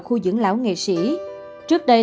khu dưỡng lão nghệ sĩ trước đây